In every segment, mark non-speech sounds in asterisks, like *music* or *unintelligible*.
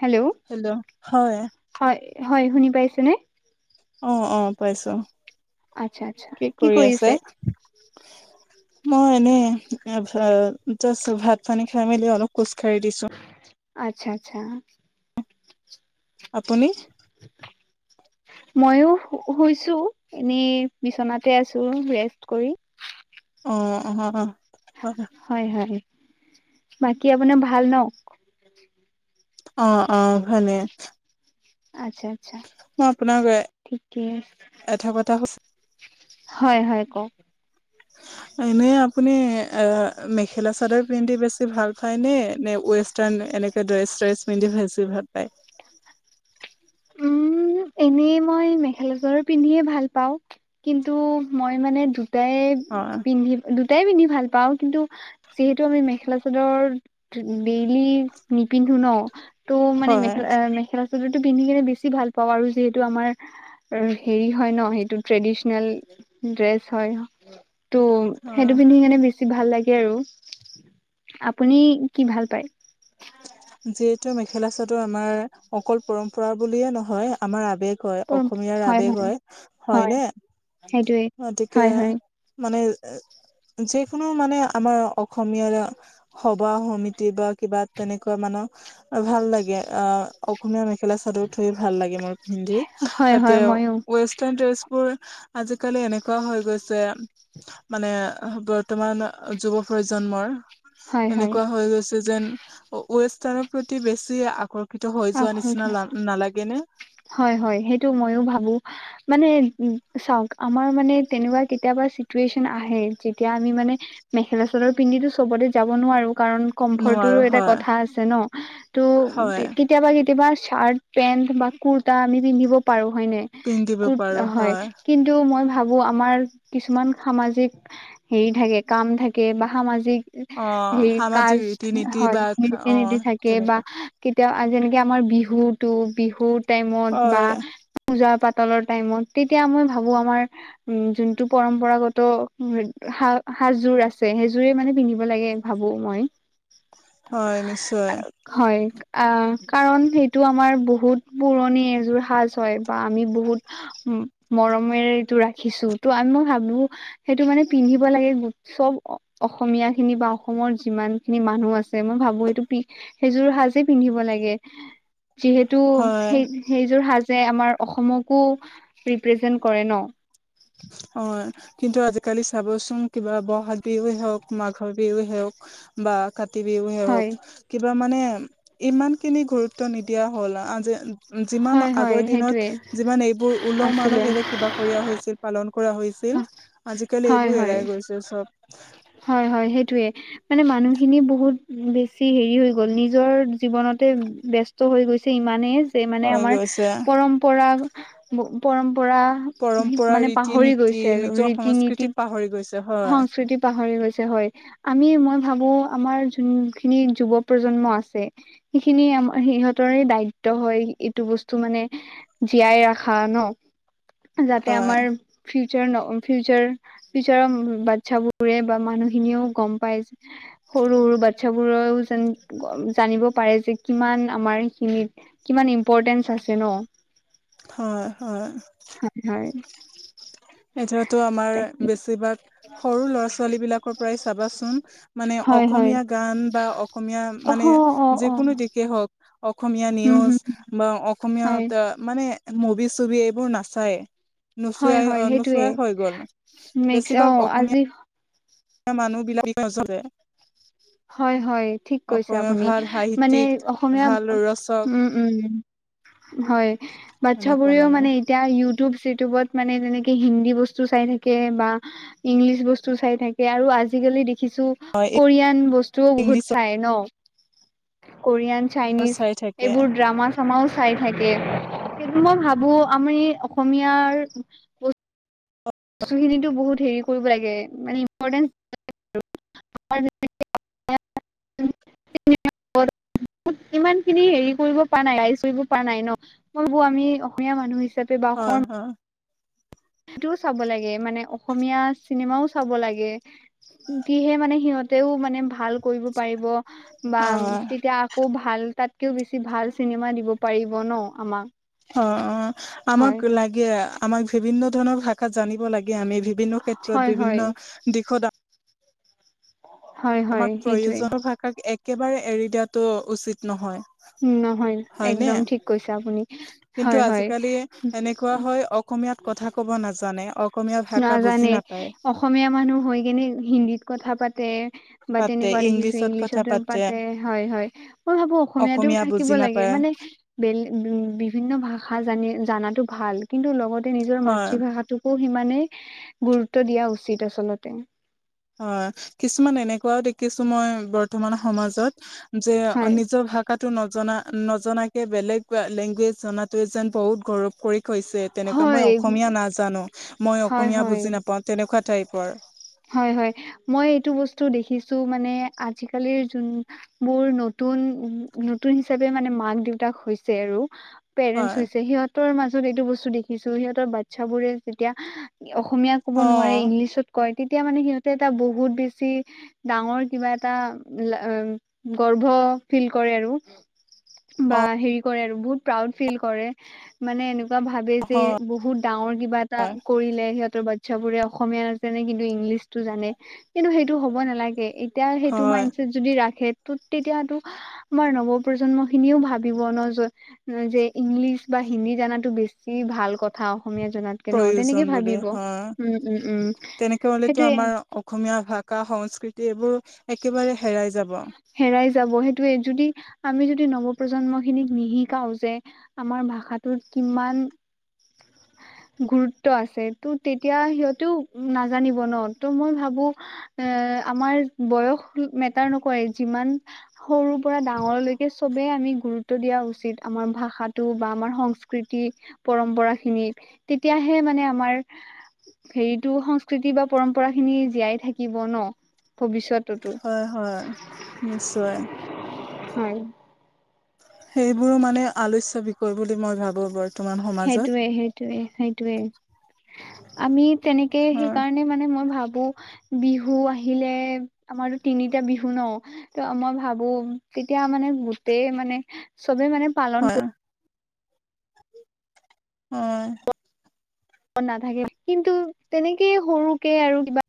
Hello hello হয়। হয় হয় শুনি পাইছেনে? অ অ পাইছো আচ্ছা আচ্ছা কি কৰি আছে? কৰিছে? মই এনে জা ভাত পানী খাই মেলি অলপ খোজ কাঢ়ি দিছো। আচ্ছা আচ্ছা। আপুনি? *unintelligible* মইো শুইছো এনে বিছনাতে আছো ৰেষ্ট কৰি অ অহ অ। হয় হয় বাকী আপোনাৰ ভাল ন? অ অ ভালে। আচ্ছা আচ্ছা মই আপোনাক ঠিকে আছে এটা কথা সু হয় হয় কক। এনেই আপুনি এ মেখেলা চাদৰ পিন্ধি বেছি ভাল পায় নে নে ৱেষ্টাৰ্ণ? এনেকে ড্ৰেছ চ্ৰেছ পিন্ধি ভেছি ভাল পায় উম এনেই মই মেখেলা চাদৰ পিন্ধিয়ে ভাল পাও কিন্তু মই মানে দু তাই অ পিন্ধি দু তটাই পিন্ধি ভাল পাওঁ কিন্তু যিহেতু আমি মেখেলা চাদৰ ডেইলি নিপিন্ধো ন তো মানে হয় মেখা মেখেলা চাদৰো পিন্ধি কেনে *inaudible* হয় ত অ সেইটো পিন্ধি কোনে বে ভাল লাগে আৰু আপুনি কি ভাল পায়? যিহেতু মেখেলা চাদৰ আমাৰ অকল পৰম্পৰা বুলিয়ে নহয় আমাৰ আবেগ হয়, অসমীয়াৰ আবেগ হয়, হয় সেইটোৱে ন তিকে হয়, হয়, মানে যিকোনো মানে আমাৰ অসমীয়াৰ সভা সমিতি বা কিবা তেনেকুৱা মানহ ভাল লাগে অ', অসমীয়া মেখেলা চাদৰ থৈ ভাল লাগে মোৰ হিন্দী হয়, তাতে হয় ময়ো ৱেষ্টাৰ্ণ ড্ৰেচবোৰ আজিকালি এনেকুৱা হৈ গৈছে মানে বৰ্তমান যুৱ প্ৰজন্মৰ হয়, হয়। এনেকুৱা হৈ গৈছে যেন ৱেষ্টাৰ্ণৰ প্ৰতি বেছি আকৰ্ষ আ হয়, হয় সেইটো মইয়ো ভাবো মানে চাওক আমাৰ মানে তেনেকুৱা কেতিয়াবা চিটুৱেচন আহে যেতিয়া আমি মানে মেখেলা চাদৰ পিন্ধি সবতে যাব নোৱাৰো কাৰণ কম্ফৰ্টৰো নোৱাৰো এটা হয় কথা আছে ন তো হয় কেতিয়াবা চাৰ্ট পেন্ট বা কুৰ্তা আমি পিন্ধিব পাৰো হয়নে পিন্ধিব পাৰো হয় কিন্তু মই ভাবো ভাবো আমাৰ কিছুমান সামাজিক হেৰি থাকে কাম থাকে বা সামাজিক অ হে সামাজিক কাজ ৰীতি নীতি হয় বা নীতি, অ নীতি থাকে বা তেনেকুৱা এতিয়া যেনেকে আমাৰ বিহুতটো বিহুৰ টাইমত বা হয় পূজা পাতলৰ টাইমত তেতিয়া মই ভাবো আমাৰ উ যোনটো পৰম্পৰাগত সাজযোৰ আছে সেইযোৰে মানে পিন্ধিব লাগে ভাবো মই হয় নিশ্চয়, হয় আহ, কাৰণ সেইটো আমাৰ বহুত পুৰণি এযোৰ সাজ হয় বা আমি বহুত মৰমেৰে এইটো ৰাখিছো ত' আমি মই ভাবো সেইটো মানে পিন্ধিব লাগে চব অসমীয়া খিনি বা অসমৰ যিমান খিনি মানুহ আছে মই ভাবো এইটো সেইযোৰ সাজ পিন্ধিব লাগে যিহেতু হয় সেই যোৰ সাজ যে আমাৰ অসমকো ৰিপ্ৰেজেণ্টেচন কৰে ন অ', কিন্তু আজিকালি চাবচোন কিবা বহাগ বিহু হওক মাঘৰ বিহু হওক বা কাতি বিহুে হওক হয় কিবা মানে ইমান খিনি গুৰুত্ব নিদিয়া হল আজি যিমান হয় হয় আগৰ দিনত সেইটোৱে যিমান এইবোৰ উওলহ আছিলে মালহেৰে কিবা কৰি হৈছিল পালন কৰা হৈছিল আজিকালি হয়, এইবোৰ হয়, এৰাই গৈছে চব হয়, হয় সেইটোৱে মানে মানুহখিনি বহুত বেছি হেৰি হৈ গ'ল নিজৰ জীৱনতে বস্ত হৈ গৈছে ইমানেই যে মানে হৈ আমাৰ গৈছে পৰম্পৰা পৰম পৰা পৰম্পৰা মানে ৰীতি পাহৰি নীতি গৈছে আৰু নিজৰ ৰীতি নীতি সংস্কৃতিক পাহৰি গৈছে হয় সংস্কৃতি পাহৰি গৈছে হয়, আমি মই ভাবো আমাৰ যোন খিনি যুৱ প্ৰজন্ম আছে সেইখিনি মাৰ সিহঁতৰে দায়িত্ব হয় এইটো বস্তু মানে জীয়াই ৰখা ন যাতে হয় আমাৰ ফিউচাৰৰ বাচ্ছাবোৰে বা মানুহখিনিয়ও গম পাই সৰু, সৰু বাচ্ছাবোৰেও জানিব পাৰে যে কিমান আমাৰ খিনিত কিমান ইম্পৰ্টেণ্টচ আছে ন হয় হয় হয় হয় এতিতো আমাৰ তাকে বেছিভাগ সৰু ল'ৰা ছোৱালী বিলাকৰ পৰাই চাবাচোন মানে হয় হয় অসমীয়া গান বা অসমীয়া অ মানে অ অ যিকোনো দিশেই হওক অসমীয়া হম নিউজ হম বা অসমীয়া হয় মানে মুভি চভি এইবোৰ নাচায় হয় নুচুৱাই হয় সেইটোয়ে নুচুৱাই হৈ গ'ল নেক্স অ বেছিভাগ আজি অসমীয়া মানুহ বিলাকৰে হয় হয় ঠিক কৈছে আপুনি ভাল মানে সাহিত্যিক অসমীয়া ভাল ৰচক উম উম হয় বাচ্ছাবোৰেও মানে এতিয়া চিউটিউবত মানে তেনেকে হিন্দী বস্তু চাই থাকে বা াল ব্তু হয় বু ইংলিছৰ ন কোৰিয়ান চাইনিজ চাই থাকে এইবোৰ ড্ৰামা চামাও চাই থাকে সেইটো মই ভাবো আমাৰ এই অসমীয়াৰ্ বস্তু বস্তুখিনিতো বহুত হেৰি কৰিব লাগে মানে ইম্পৰ্টেঞ্চ *unintelligible* ইমান খিনি হেৰি কৰিব পৰা নাই ৰাইজ কৰিব পৰা নাই ন মই বৌ আমি অসমীয়া মানুহ চপে হয় বখৰ হয় সেইটোও চাব লাগে মানে অসমীয়া চিনেমাও চাব লাগে কিহে মানে সিহত মানে ভাল কৰিব পাৰিব বা অ তেতিয়া আকৌ ভাল তাত তাতকৃও বেছি ভাল চিনেমা দিব পাৰিব ন আমাক অ অ আমাক হয় লাগে আমাক বিভিন্ন ধৰণৰ ভাষাত জানিব লাগে আমি বিভিন্ন ক্ষেত্ৰত হয় হয় বিভিন্ন দিশত হয় হয় আমাক সেইটোৱে প্ৰয়োজনীয় ভাষাক একেবাৰে এৰি দিয়াতটো উচিত নহয় নহয় হয়নে একদম ঠিক কৈছে আপুনি কিন্তু হয় হয় আজিকালি এনেকুৱা হয় অসমীয়াত কথা ক'ব নাজানে অসমীয়া ভাষা বুজি নাজানে নাপায় অসমীয়া মানুহ হৈ কেনে হিন্দীত কথা পাতে বা পাতে তেনেকুৱা দেখিছো ইংলিছত কথা ইংলিছতো পাতে হয় হয় মই ভাবো অসমীয়াাতও অসমীয়া থাকিব বুজি লাগে নাপায় মানে ব উ বিভিন্ন ভাষা জান জানাতো ভাল কিন্তু লগতে নিজৰ হয় মাতৃভাষাটো সিমানেই গুৰুত্ব দিয়া উচিত আচলতে হয় কিছুমান এনেকুৱাও দেখিছো মই বৰ্তমান সমাজত যে হয় নিজ ভাগত নজনা নজনাকে বেলেগ লেংগুৱেজ জনাাতোৱে যেন বহুত গৌৰৱ কৰি হৈছে তেনেকুৱা হয় মই অসমীয়া নাজানো মই হয় অসমীয়া হয় বুজি নাপাও তেনেকুৱা টাইপৰ হয় হয় মই এইটো বস্তু দেখিছো মানে আজিকালিৰ যোন মোৰ নতুন উ নতুন হিচাপে মানে মাক দেউতাক হৈছে আৰু পেৰেন্চ হয় হৈছে সিহতৰ মাজত এইটো বস্তু দেখিছো সিহঁতৰ বাচ্ছাবোৰে যেতিয়া অসমীয়া ক'ব অ নোৱাৰে ইংলিছত কয় তেতিয়া মানে সিহঁতে এটা বহুত বেছি ডাঙৰ কিবা এটা গৰ্ভ ফিল কৰে আৰু বা অ হেৰি কৰে আৰু বহুত প্ৰাউড ফিল কৰে মানে এনে বা ভাবে যে হয় বহুত ডাঙৰ কিবা এটা কৰিলে সিহঁতৰ বাচ্ছ বোৰে অসমীয়া নাছে নে কিন্তু ইংলিছটো জানে কিন্তু সেইটো হ'ব নালাগে এতিয়া সেইটো হয় মাইডছেট যদি ৰাখে আমাৰ নজন্ খি ভ হিন্দী জানাতো বেছি ভাল কথা অসমীয়া জনাতকে ন তেনেকে প্ৰয়োজন বুলি ভাবিব উম উম উম টো সেইটোয়ে আমাৰ অসমীয়া ভাষা সংস্কৃতি এইবোৰ একেবাৰে হেৰাই যাব হেৰাই যাব সেইটোয়ে যদি আমি যদি নৱপ্ৰজন্ম খিনিক নিশিকাও যে আমাৰ ভাষাটোত কিমান গুৰুত্ব আছে ত' তেতিয়া সিহসতেও নাজানিব ন ত' মই ভাবো এ আমাৰ বয়স টো মেটাৰ নকৰে যি মান সৰু পৰা ডাঙৰ লৈকে সবেই আমি গুৰুত্ব দিয়া উচিত আমাৰ ভাষাটো বা আমাৰ সংস্কৃতি পৰম্পৰাখিনিত তেতিয়াহে মানে আমাৰ হেৰিতো সংস্কৃতি বা পৰম্পৰা খিনি জীয়াই থাকিব ন ভৱিষ্যত হয় হয় নিশ্চয় হয় সেইবোৰো মানে আলোচ্য বিষয় বুলি মই ভাবো বৰ্ত সেইটোৱে সেইটোৱে সেইটোৱে আমি তেনেকে হয় সেইকাৰণে মানে মই ভাব ভাবো বিহু আহিলে আমাৰতো তিনিটা বিহু ন ত মই ভাবো তেতিয়া মানে গোটেই মানে চবে মানে পালন হয় কৰি অ ন নাথাকে কিন্তু তেনেকে সৰুকে আৰু কিবা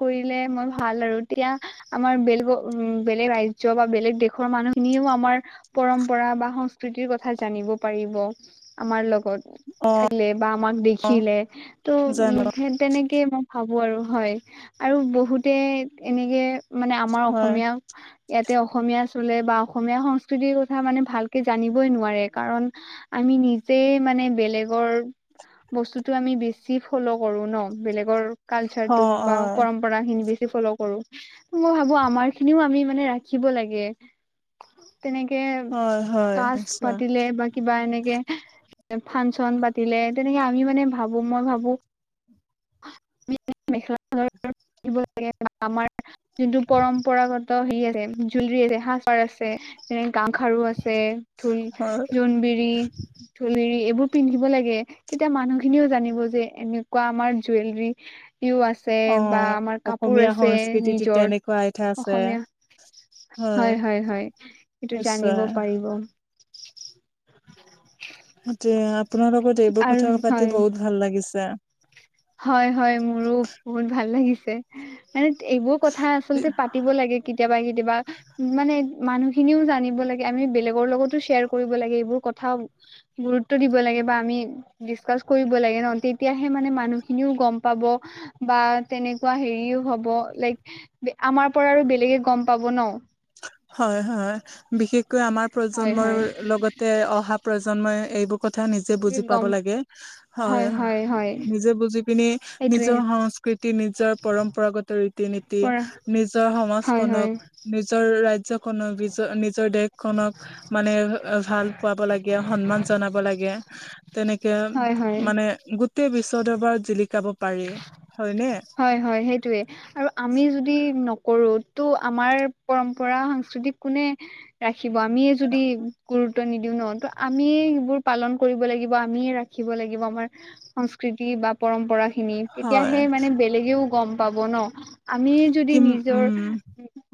কৰিলে মই ভাল আৰু তেতিয়া আমাৰ বেলেগৰ উ বেলেগ ৰাজ্য বা বেলেগ দেশৰ মান মানুহখিনিও আমাৰ পৰম্পৰা বা সংস্কৃতিৰ কথা জানিব পাৰিব আমাৰ লগত অ থাকিলে বা আমাক দেখিলে তো জানো উ তেনেকে মই ভাবো আৰু হয় আৰু বহুতে এনেকে মানে আমাৰ হয় অসমীয়া ইয়াতে অসমীয়া চলে বা অসমীয়া সংস্কৃতিৰ কথা মানে ভালকে জানিবই নোৱাৰে কাৰণ আ আমি নিজে মানে বেলেগৰ বস্তুটো আমি বেছি ফ'ল কৰো ন বেলেগৰ কালচাৰ অ টো বা হয় পৰম্পৰা খিনি বেছ ফল কৰো মই ভাবো আমাৰ খিনিও আমি মানে ৰাখিব লাগে তেনেকে হয় হয় কাজ নিশ্চয় পাতিলে বা কিবা এনেকে ফাংচন পাতিলে তেনেকে আমি মানে ভাবো মই ভাবো মেখেলা চাদৰ আমাৰ যোনটো পৰম্পৰাগত হে আছে জুলৰী আছে সাজপাৰ আছে যেনে গাম খাৰু আছে ঢোল হয় জোনবিৰি ঢো এইবোৰ পিন্ধিব লাগে তেতিয়া মানুহ খিনিও জানিব যে এনেকুৱা আমাৰ জুৱেলৰী ইয়ো আছে অ বা আমাৰ কাপোৰ অসমীয়া আছে সংস্কৃতিতো নিজৰ তেনেকুৱা আইঠা আছে অসমীয়া হয় হয় হয় সেইটো জানিব নিশ্চয় পাৰিব *unintelligible* যে আপোনাৰ লগত এইবোৰ আৰু কথা পাতি হয় বহুত ভাল লাগিছে হয় হয় মোৰো বহুত ভাল লাগিছে মানে এইবোৰ কথা আচলতে পাতিব লাগে কেতিয়াবা কেতিয়াবা কিবা মানে মানুহ খিনিও জানিব লাগে আমি বেলেগৰ লগতো শ্বেয়াৰ কৰিব লাগে এইবোৰ কথা গুৰুত্ব দিব লাগে বা আমি ডিচকাচ কৰিব লাগে নহ তেতিয়াহে মানে মানুহ ইয়ো গম পাব বা তেনেকুৱা হেৰিও হব লাইক আমাৰ পৰা আৰু বেলেগ সি গম পাব ন হয় হয় বিশেষকৈ আমাৰ হয় প্ৰজন্মৰ হয় লগতে অহা প্ৰজন্মই এইবোৰ কথা নিজে বুজি পাব গম লাগে হয় নিজে বুজি সেইটোৱে নিজৰ সংস্কৃতি নিজৰ পৰম্পৰাগত ৰীতি নীতি পৰা নিজৰ হয় সমাজখন হয় নিজ *unintelligible* ৰাজ্যখনক নিজৰ দেশখনক মানে এ ভাল পাব লাগে সন্মান জনাব লাগে তেনেকে হয় হয় মানে গোটেই বিশ্ব দৰবাৰত জিলিকাব পাৰি হয়নে হয় হয় সেইটোয়ে আৰু আমি যদি নকৰো টো আমাৰ পৰম্পৰা সাংস্কৃতিক কোনে ৰাখিব আমিয়ে যদি গুৰু গুৰুত্ব নিদিও ন ত আমিয়ে সবোৰ পালন কৰিব লাগিব আমিয়ে ৰাখিব লাগিব আমাৰ সংস্কৃতি বা পৰম্পৰা খিনি হয় তেতিয়াাহে মানে বেলেগেও গম পাব ন আমি যদি কিম নিজৰ উম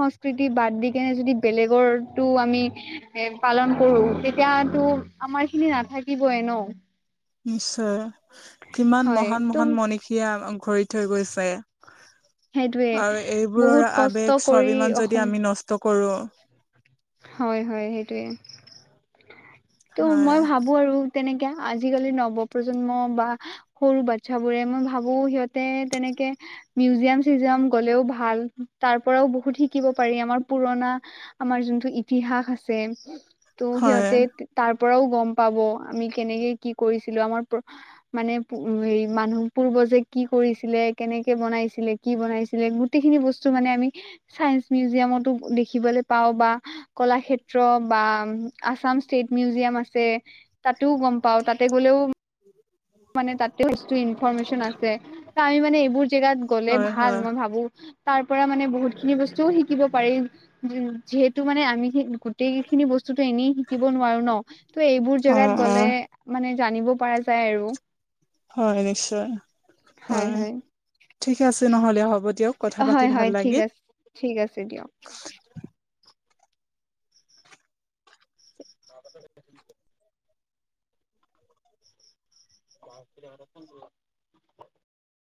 প্ৰকৃতি বাদ দি কেনে যদি বেলেগৰটো আমি এ পালন কৰো তেতিয়াতো আমাৰ খিনি নাথাকিবই ন নিশ্চয় কিমান হয় মহান মহান ত' মনীষীয়ে ঘৰি থৈ গৈছে সেইটোয়ে আৰু এইবোৰৰ বহুত কষ্ট আৱেগ কৰি স্বাভিমান অসম যদি আমি নষ্ট কৰো হয় হয় সেইটোৱে ত' হয় মই ভাবো আৰু তেনেকে আজিকালি নৱ প্ৰ্জন্ম বা সৰু বাচ্ছা বোৰে মই ভাবো সিহঁতে তেনেকে মিউজিয়াম চিউজিয়াম গ'লেও ভাল তাৰ পৰাও বহুত শিকিব পাৰি আমাৰ পুৰণা আমাৰ যোনটো ইতিহাস আছে ত' হয় সিহঁতে তাৰ পৰাও গম পাব আমি কেনেকে কি কৰিছিলো আমাৰ মানে হে মানুহ পূৰ্ব কি কৰিছিলে কেনেকে বনাইছিলে কি বনাইছিলে গোটেই খিনি বস্তু মানে আমি চ মিউজিয়ামতো দেখিবলৈ পাওঁ বা কলাক্ষেত্ৰ বা আছাম ষ্টেট মিউজিয়াম আছে তাতোও গম পাওঁ তা *unintelligible* মানে তাতে ব্তু ইনফৰমেশচন আছে ত আমি মানে এইবোৰ জেগাত গ'লে হয় ভাল হয় মই ভাবো তাৰ পৰা মানে বহুত খিনি বস্তুও শিকিব পাৰি যিহেতু মানে আমি গোটেই খিনি বস্তুতো এনেই শিকিব নোৱাৰো ন ত' এইবোৰ অ জেগাত অ গ'লে মানে জানিব পৰা যায় আৰু হয় নিশ্চয় হয় ঠিকে আছে নহলে হ'ব দিয়ক কথা পাতি হয় হয় ভাল ঠিক লাগিল আছে ঠিক আছে দিয়ক *unintelligible* *unintelligible*